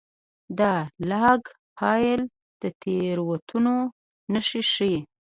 دا لاګ فایل د تېروتنو نښې ښيي.